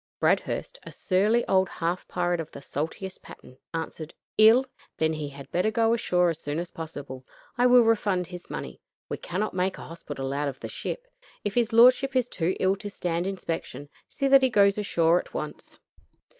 Bradhurst, a surly old half pirate of the saltiest pattern, answered: "Ill? Then he had better go ashore as soon as possible. I will refund his money. We cannot make a hospital out of the ship. If his lordship is too ill to stand inspection, see that he goes ashore at once."